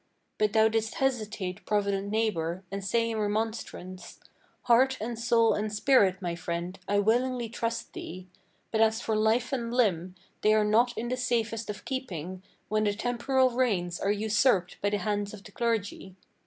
But thou didst hesitate, provident neighbor, and say in remonstrance: "Heart and soul and spirit, my friend, I willingly trust thee; But as for life and limb, they are not in the safest of keeping, When the temporal reins are usurped by the hand of the clergy."